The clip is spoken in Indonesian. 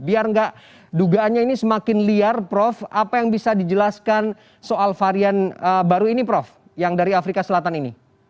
biar enggak dugaannya ini semakin liar prof apa yang bisa dijelaskan soal varian baru ini prof yang dari afrika selatan ini